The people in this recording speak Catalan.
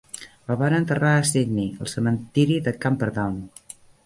El van enterrar a Sydney, al cementiri de Camperdown.